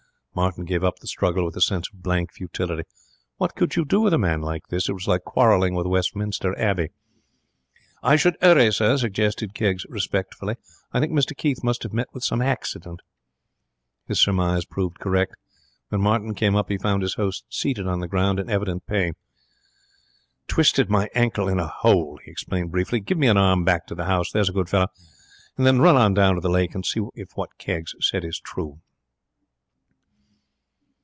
Martin gave up the struggle with a sense of blank futility. What could you do with a man like this? It was like quarrelling with Westminster Abbey. 'I should 'urry, sir,' suggested Keggs, respectfully. 'I think Mr Keith must have met with some haccident.' His surmise proved correct. When Martin came up he found his host seated on the ground in evident pain. 'Twisted my ankle in a hole,' he explained, briefly. 'Give me an arm back to the house, there's a good fellow, and then run on down to the lake and see if what Keggs said is true.'